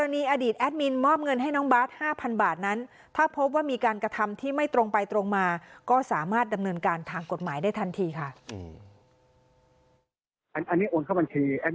ในเมื่อเข้ารับผิดชอบตรงส่วนนั้นแอดมินก็ลาไป